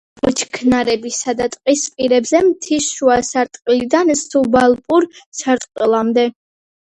იზრდება ბუჩქნარებსა და ტყის პირებზე მთის შუა სარტყლიდან სუბალპურ სარტყლამდე.